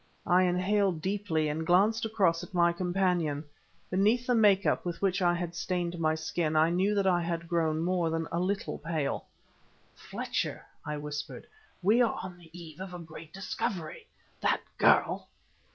I inhaled deeply and glanced across at my companion. Beneath the make up with which I had stained my skin, I knew that I had grown more than a little pale. "Fletcher!" I whispered, "we are on the eve of a great discovery that girl